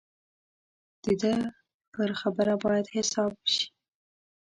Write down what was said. د ده پر خبره باید حساب وشي.